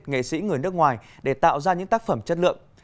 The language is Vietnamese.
nghệ sĩ người nước ngoài để tạo ra những tác phẩm chất lượng